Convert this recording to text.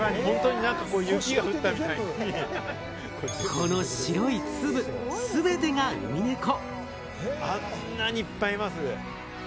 この白い粒、全てがウミネコ。